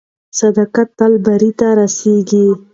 صداقت تل بریا ته رسیږي.